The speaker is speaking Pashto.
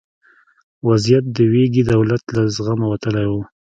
وضعیت د ویګي دولت له زغمه وتلی و.